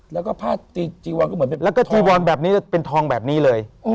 แล้วก็ผ้าจีวอนก็เหมือนแล้วก็จีวอนแบบนี้จะเป็นทองแบบนี้เลย